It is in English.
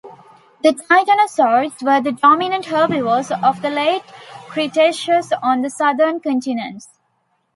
The titanosaurs were the dominant herbivores of the Late Cretaceous on the southern continents.